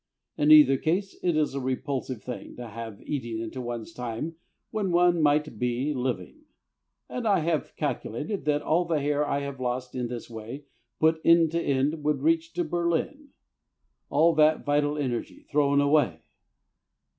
In either case it is a repulsive thing to have, eating into one's time when one might be living; and I have calculated that all the hair I have lost in this way, put end to end, would reach to Berlin. All that vital energy thrown away!